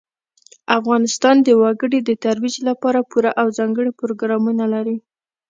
افغانستان د وګړي د ترویج لپاره پوره او ځانګړي پروګرامونه لري.